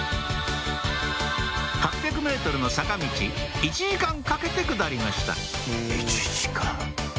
８００ｍの坂道１時間かけて下りました１時間。